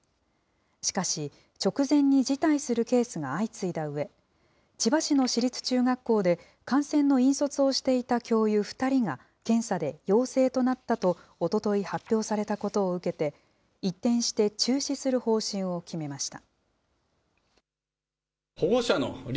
しかし、直前に辞退するケースが相次いだうえ、千葉市の市立中学校で、観戦の引率をしていた教諭２人が検査で陽性となったと、おととい発表されたことを受けて、一転して中止する方針を決めました。